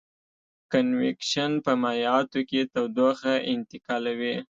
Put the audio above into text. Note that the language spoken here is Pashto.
کنویکشن په مایعاتو کې تودوخه انتقالوي.